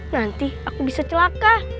nanti aku bisa celaka